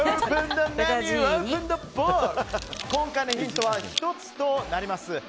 今回のヒントは１つとなります。